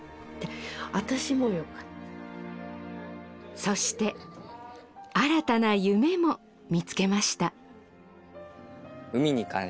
私もよかったそして新たな夢も見つけました